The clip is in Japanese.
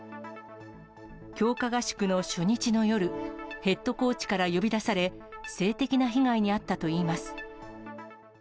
強化合宿の初日の夜、ヘッドコーチから呼び出され、性的な被害に遭ったといいます。